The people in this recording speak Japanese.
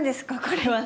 これは。